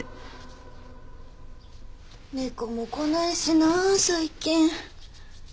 猫も来ないしなぁ最近。